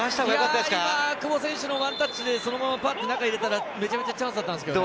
今は久保選手のワンタッチでそのまま前に入れたらチャンスだったんですけどね。